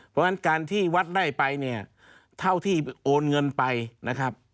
เพราะฉะนั้นการที่วัดได้ไปเนี่ยเท่าที่โอนเงินไปนะครับ